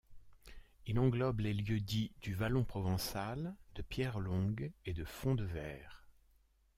Il englobe les lieux-dits du Vallon Provençal, de Pierre-Longue et de Font-de-Veyre.